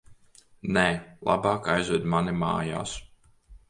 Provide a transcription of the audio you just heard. Nē, labāk aizved mani mājās.